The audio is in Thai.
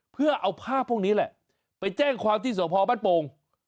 เพื่อเอาภาพพวกนี้แหละไปแจ้งความที่สพบ้านโป่ง